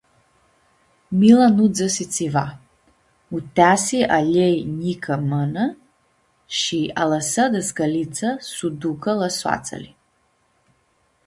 Mila nu dzãsi tsiva, u-teasi a ljei njicã mãnã shi alãsã dãscãlitsa su ducã la soatsãli.